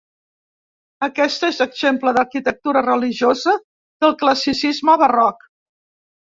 Aquesta és exemple d'arquitectura religiosa del classicisme barroc.